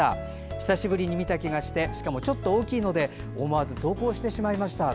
久しぶりに見た気がしてしかも、ちょっと大きいので思わず投稿してしまいました。